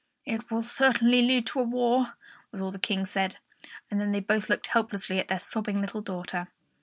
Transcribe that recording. "It will certainly lead to a war," was all the King said; and then they both looked helplessly at their sobbing little daughter.